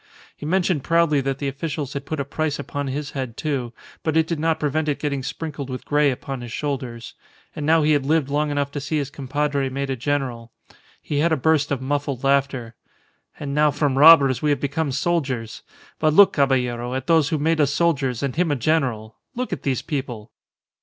He mentioned proudly that the officials had put a price upon his head, too; but it did not prevent it getting sprinkled with grey upon his shoulders. And now he had lived long enough to see his compadre made a general. He had a burst of muffled laughter. "And now from robbers we have become soldiers. But look, Caballero, at those who made us soldiers and him a general! Look at these people!"